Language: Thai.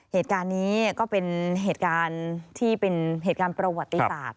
เหตุการณ์นี้ก็เป็นเหตุการณ์ที่เป็นเหตุการณ์ประวัติศาสตร์